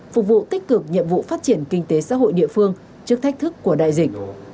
phục vụ tích cực nhiệm vụ phát triển kinh tế xã hội địa phương trước thách thức của đại dịch